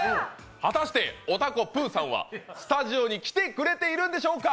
果たして、おたこぷーさんは、スタジオに来てくれているんでしょうか。